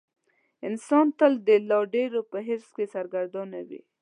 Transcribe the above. انسان تل د لا ډېرو په حرص کې سرګردانه وي.